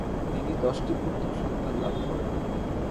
তিনি দশটি পুত্রসন্তান লাভ করেন।